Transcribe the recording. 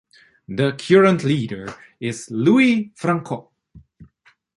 The current leader is Luis Franco.